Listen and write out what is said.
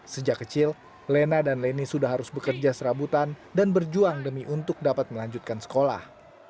sejak kecil lena dan leni sudah harus bekerja serabutan dan berjuang demi untuk dapat melanjutkan sekolah